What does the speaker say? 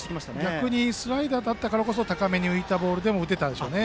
逆にスライダーだったからこそ高めに浮いたボールでも打てたんでしょうね。